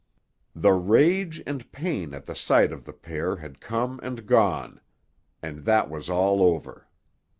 The rage and pain at the sight of the pair had come and gone, and that was all over.